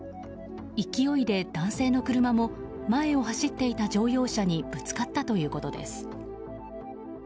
勢いで、男性の車も前を走っていた乗用車にぶつかったということです。